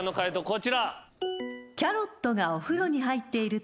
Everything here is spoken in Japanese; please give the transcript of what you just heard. こちら。